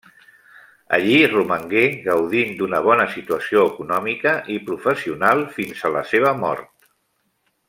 Allí romangué gaudint d'una bona situació econòmica i professional fins a la seva mort.